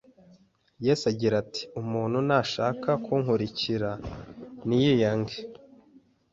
Yesu agira ati, “Umuntu nashaka kunkurikira niyiyange,